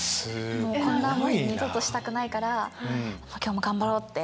こんな思い二度としたくないから今日も頑張ろうって。